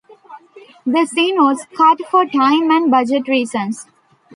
The scene was cut for time and budget reasons.